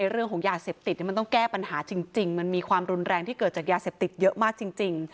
เรื่องของยาเสพติดมันต้องแก้ปัญหาจริงมันมีความรุนแรงที่เกิดจากยาเสพติดเยอะมากจริง